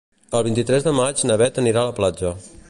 El vint-i-tres de maig na Bet anirà a la platja.